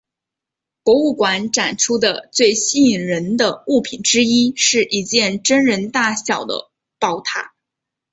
博物馆展出的最吸引人的物品之一是一件真人大小的宝塔。